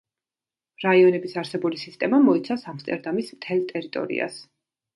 რაიონების არსებული სისტემა მოიცავს ამსტერდამის მთელ ტერიტორიას.